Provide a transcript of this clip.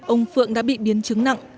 ông phượng đã bị biến chứng nặng